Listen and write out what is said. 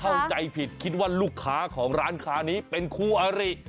เข้าใจผิดคิดว่าลูกค้าของร้านค้านี้เป็นคู่อาริ